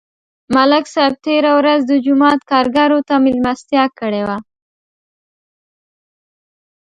ملک صاحب تېره ورځ د جومات کارګرو ته مېلمستیا کړې وه